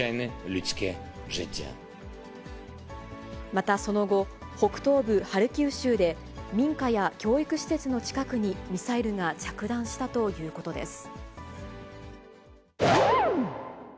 また、その後、北東部ハルキウ州で、民家や教育施設の近くにミサイルが着弾したということです。